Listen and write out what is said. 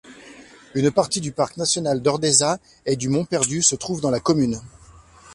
Une partie du Parc national d'Ordesa et du Mont-Perdu se trouve dans la commune.